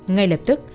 ngay lập tức